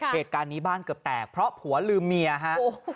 เหตุการณ์นี้บ้านเกือบแตกเพราะผัวลืมเมียฮะ